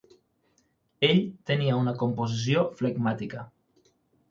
Ell tenia una composició flegmàtica.